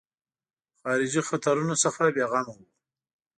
خارجي خطرونو څخه بېغمه وو.